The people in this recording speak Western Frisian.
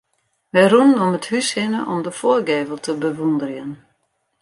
Wy rûnen om it hús hinne om de foargevel te bewûnderjen.